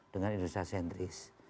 dengan indonesia centris